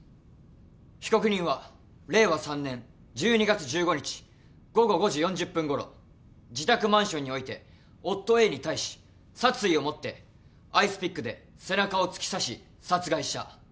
被告人は令和３年１２月１５日午後５時４０分ごろ自宅マンションにおいて夫Ａに対し殺意を持ってアイスピックで背中を突き刺し殺害した。